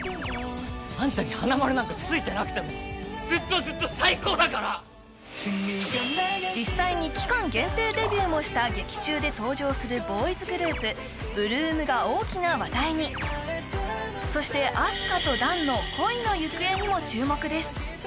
あんたに花丸なんかついてなくてもずっとずっと最高だから実際に期間限定デビューもした劇中で登場するボーイズグループ８ＬＯＯＭが大きな話題にそしてあす花と弾の恋の行方にも注目です